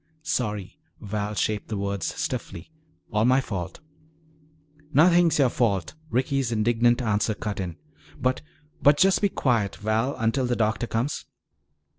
"Sorry," Val shaped the words stiffly, "all my fault." "Nothing's your fault," Ricky's indignant answer cut in. "But but just be quiet, Val, until the doctor comes."